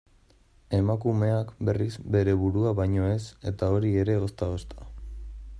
Emakumeak, berriz, bere burua baino ez, eta hori ere ozta-ozta.